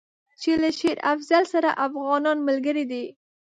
چې له شېر افضل سره افغانان ملګري دي.